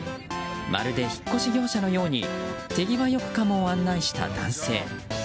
まるで引っ越し業者のように手際よくカモを案内した男性。